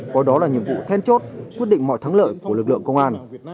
coi đó là nhiệm vụ then chốt quyết định mọi thắng lợi của lực lượng công an